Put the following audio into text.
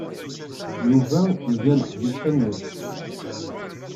Yuba iga leqdic annect.